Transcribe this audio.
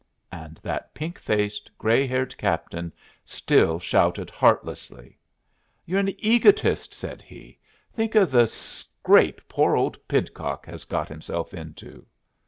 And that pink faced, gray haired captain still shouted heartlessly. "You're an egotist," said he. "Think of the scrape poor old Pidcock has got himself into."